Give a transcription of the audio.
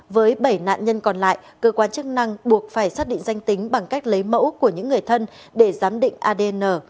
với bảy nạn nhân còn lại cơ quan chức năng buộc phải xác định danh tính bằng cách lấy mẫu của những người thân để giám định adn